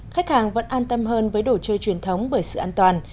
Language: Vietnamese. khách hàng vẫn an tâm hơn với đồ chơi truyền thống bởi sự an toàn